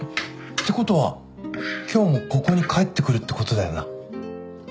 てことは今日もここに帰ってくるってことだよな？